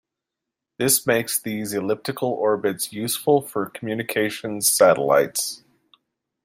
This makes these elliptical orbits useful for communications satellites.